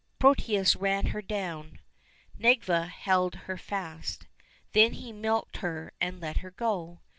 Protius ran her down, Nedviga held her fast, then he milked her and let her go.